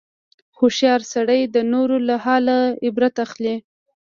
هوښیار سړی د نورو له حاله عبرت اخلي.